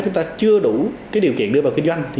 chúng ta chưa đủ điều kiện đưa vào kinh doanh